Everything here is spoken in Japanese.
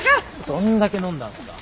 どんだけ飲んだんすか。